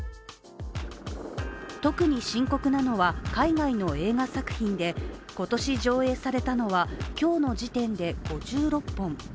特に深刻なのは海外の映画作品で今年上映されたのは今日の時点で５６本。